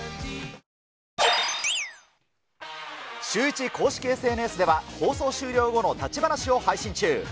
シューイチ公式ＳＮＳでは、放送終了後の立ち話を配信中。